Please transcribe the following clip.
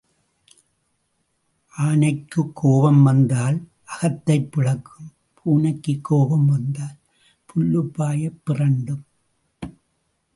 ஆனைக்குக் கோபம் வந்தால் அகத்தைப் பிளக்கும் பூனைக்குக் கோபம் வந்தால் புல்லுப்பாயைப் பிறாண்டும்.